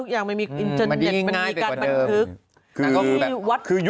มันอธิบายยิ่งง่ายไปกว่าเดิม